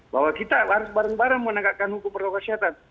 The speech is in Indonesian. bahwa kita harus bareng bareng menegakkan hukum protokol kesehatan